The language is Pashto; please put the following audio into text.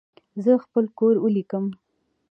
زه خپل کور ولیکم.